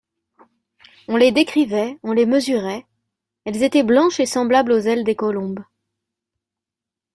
On les décrivait, on les mesurait ; elles étaient blanches et semblables aux ailes des colombes.